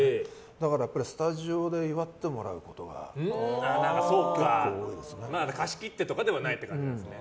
だからスタジオで祝ってもらうことが貸し切ってとかではないという感じなんですね。